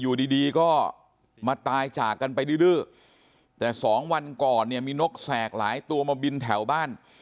อยู่ดีดีก็มาตายจากกันไปดื้อแต่สองวันก่อนเนี่ยมีนกแสกหลายตัวมาบินแถวบ้าน